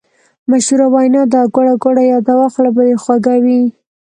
مشهوره وینا ده: ګوړه ګوړه یاده وه خوله به دې خوږه وي.